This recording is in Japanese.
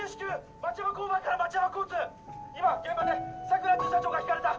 町山交番から今現場で桜巡査長がひかれた！